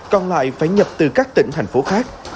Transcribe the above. còn lại phải nhập từ các tỉnh thành phố khác